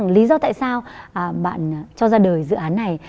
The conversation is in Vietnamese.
lý do tại sao bạn cho ra đời dự án này